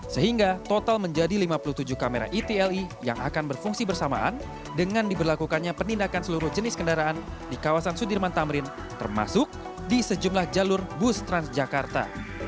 sehingga total menjadi lima puluh tujuh kamera etle yang akan berfungsi bersamaan dengan diberlakukannya penindakan seluruh jenis kendaraan di kawasan sudirman tamrin termasuk di sejumlah jalur bus transjakarta